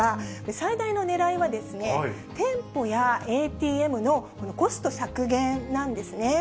最大のねらいは、店舗やＡＴＭのコスト削減なんですね。